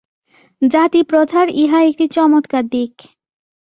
জাতিপ্রথার ইহা একটি চমৎকার দিক।